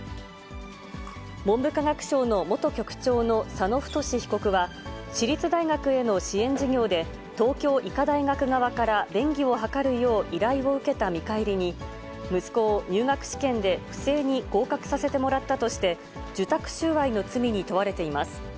文部科学省の元局長の佐野太被告は、私立大学への支援事業で、東京医科大学側から便宜を図るよう依頼を受けた見返りに、息子を入学試験で不正に合格させてもらったとして、受託収賄の罪に問われています。